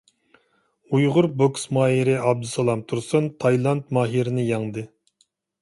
ئۇيغۇر بوكس ماھىرى ئابدۇسالام تۇرسۇن تايلاند ماھىرىنى يەڭدى.